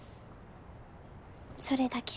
それだけ